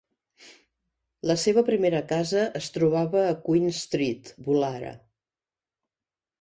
La seva primera casa es trobava a Queen Street, Woollahra.